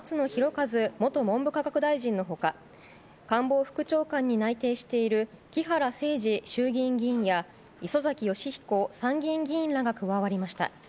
一元文部科学大臣の他官房副長官に内定している木原誠二衆議院議員や磯崎仁彦参議院議員らが加わりました。